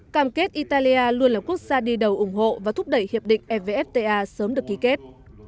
cam kết italia luôn là quốc gia đi đầu ủng hộ và thúc đẩy hiệp định evfta sớm được ký kết